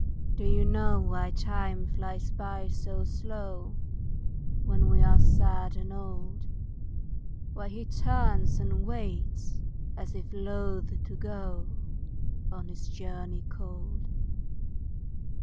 DO you know why Time flies by so slow When we are sad and old? Why he turns and waits as if loath to go On his journey cold?